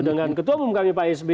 dengan ketua umum kami pak s b